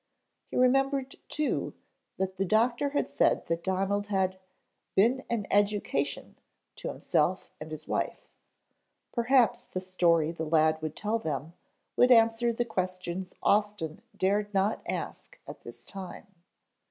He remembered too, that the doctor had said that Donald had "been an education" to himself and his wife. Perhaps the story the lad would tell them would answer the questions Austin dared not ask at this time.